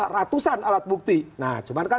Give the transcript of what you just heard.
ratusan alat bukti nah cuman kan